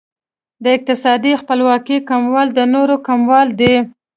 د اقتصادي خپلواکۍ کموالی د نورو کموالی دی.